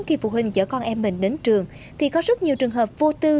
khi phụ huynh chở con em mình đến trường thì có rất nhiều trường hợp vô tư